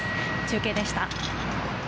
中継でした。